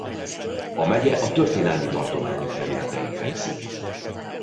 A megye a történelmi tartományok területein fekszik.